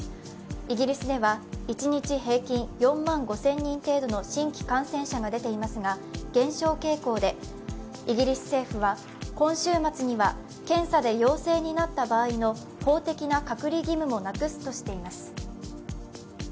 イギリスでは一日平均４万５０００人程度の新規感染者が出ていますが減少傾向で、イギリス政府は今週末には検査で陽性になった場合の法的な隔離義務もなくすとしています。